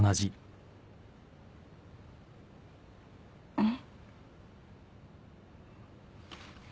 うん？